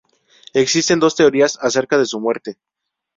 Existen dos teorías acerca de su muerte.